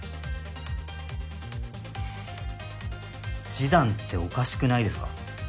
示談っておかしくないですか？